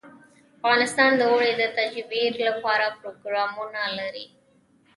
افغانستان د اوړي د ترویج لپاره پروګرامونه لري.